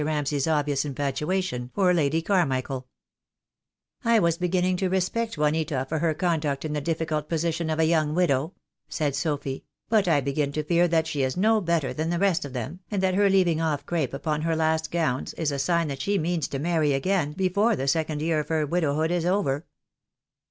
Ramsay's obvious infatuation for Lady Carmichael. "I was beginning to respect Juanita for her conduct in the difficult position of a young widow," said Sophy, "but I begin to fear that she is no better than the rest of them, and that her leaving off crape upon her last gowns is a sign that she means to marry again before the second year of her widowhood is over."